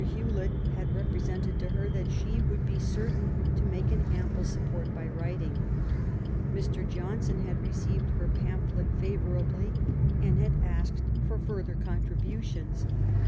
Hewlet had repre sented to her that she would be certain to make an ample support by writing. Mr. Johnson had received her pamphlet favourably, and had asked for further contributions.